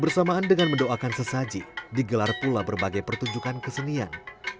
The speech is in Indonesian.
bersamaan dengan mendoakan sesaji digelar pula berbagai pertunjukan kesenian